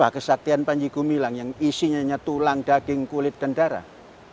bahwa kesaktian panji gumilang yang isinya tulang daging kulit dan darah